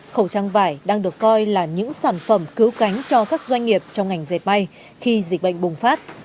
khẩu trang vải đang được coi là những sản phẩm cứu cánh cho các doanh nghiệp trong ngành dệt may khi dịch bệnh bùng phát